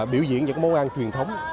biểu diễn những món ăn truyền thống